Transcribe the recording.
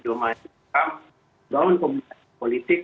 dalam komunikasi politik